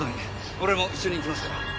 俺も一緒に行きますから。